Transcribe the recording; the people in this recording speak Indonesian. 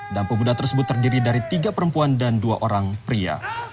dan pemuda tersebut terdiri dari tiga perempuan dan dua orang pria